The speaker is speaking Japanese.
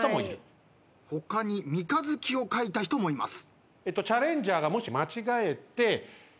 他に三日月を描いた人もいます。